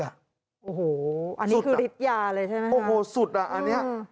โอ้โหอันนี้คือฤทธิยาเลยใช่ไหมโอ้โหสุดอ่ะอันนี้